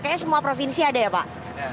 kayaknya semua provinsi ada ya pak